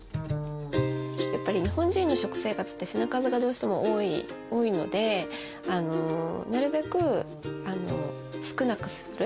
やっぱり日本人の食生活って品数がどうしても多いのでなるべく少なくする。